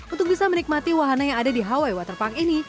untuk bisa menikmati wahana yang ada di hawaii water park ini